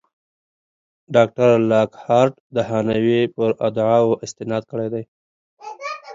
ډاکټر لاکهارټ د هانوې پر ادعاوو استناد کړی دی.